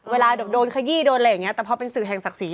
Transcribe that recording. เวลาโดนขยี้โดนอะไรอย่างนี้แต่พอเป็นสื่อแห่งศักดิ์ศรี